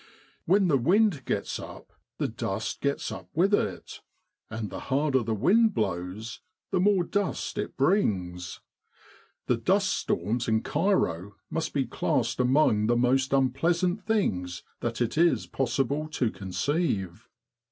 When the wind gets up, the dust gets up with it ; and the harder the wind blows, the more dust it brings. The dust storms in Cairo must be classed among the most unpleasant things that it is possible to conceive.